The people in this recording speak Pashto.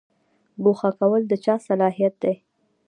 ګوښه کول د چا صلاحیت دی؟